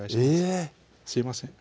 えぇすいません